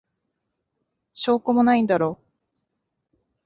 証拠もないんだろ。